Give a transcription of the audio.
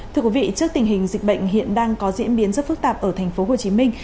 thưa quý vị trước tình hình dịch bệnh hiện đang có diễn biến rất phức tạp ở thành phố hồ chí minh